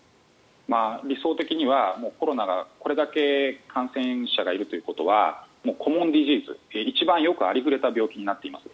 理想的にはコロナがこれだけ感染者がいるということはコモディティー一番よくありふれた病気になっています。